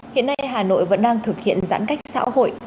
hiện nay hà nội vẫn đang thực hiện giãn cách xã hội